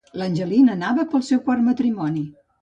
L'Angelina anava pel seu quart matrimoni.